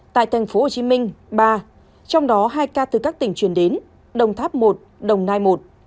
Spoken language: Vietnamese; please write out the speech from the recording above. tại tp hcm ba trong đó hai ca từ các tỉnh truyền đến đồng tháp một đồng nai một